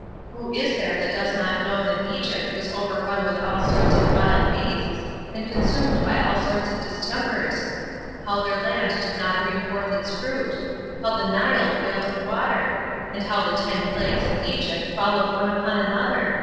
Who is there that does not know that Egypt was overrun with all sorts of wild beasts, and consumed by all sorts of distempers? how their land did not bring forth its fruit? how the Nile failed of water? how the ten plagues of Egypt followed one upon another?